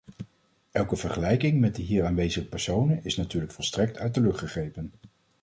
Elke vergelijking met de hier aanwezige personen is natuurlijk volstrekt uit de lucht gegrepen.